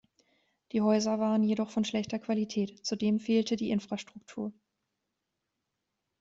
Die Häuser waren jedoch von schlechter Qualität, zudem fehlte die Infrastruktur.